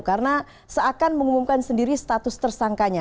karena seakan mengumumkan sendiri status tersangkanya